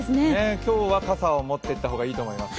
今日は傘を持っていった方がいいと思いますよ。